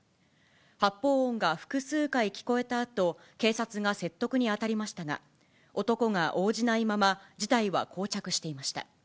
発砲音が複数回聞こえたあと、警察が説得に当たりましたが、男が応じないまま、事態はこう着していました。